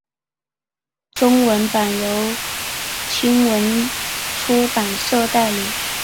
中文版由青文出版社代理。